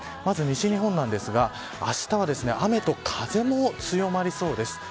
まず、西日本ですがあしたは雨と風も強まりそうです。